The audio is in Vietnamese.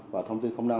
và thông tư năm